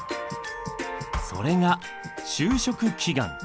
それが就職祈願。